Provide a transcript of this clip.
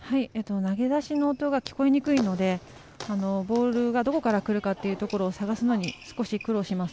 投げ出しの音が聞こえにくいのでボールがどこからくるかというのを探すのに少し苦労します。